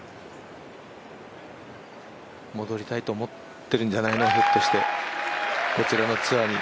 戻りたいと思ってるんじゃないの、こちらのツアーに。